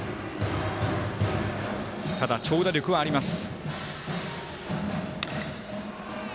ただ、長打力はあります。